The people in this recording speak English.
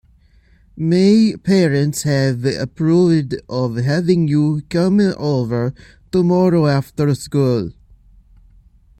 My parents have approved of having you come over tomorrow after school.